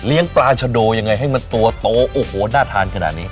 ปลาชะโดยังไงให้มันตัวโตโอ้โหน่าทานขนาดนี้